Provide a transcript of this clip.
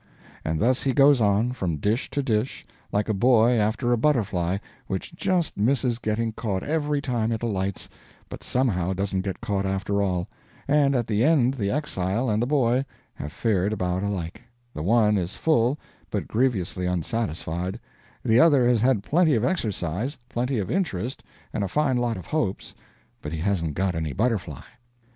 And thus he goes on, from dish to dish, like a boy after a butterfly which just misses getting caught every time it alights, but somehow doesn't get caught after all; and at the end the exile and the boy have fared about alike; the one is full, but grievously unsatisfied, the other has had plenty of exercise, plenty of interest, and a fine lot of hopes, but he hasn't got any butterfly.